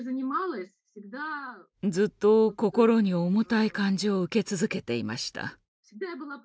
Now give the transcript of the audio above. ずっと心に重たい感じを受け続けていました。